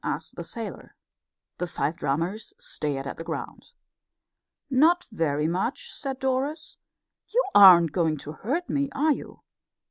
asked the sailor. The five drummers still stared at the ground. "Not very much," said Doris. "You aren't going to hurt me, are you?"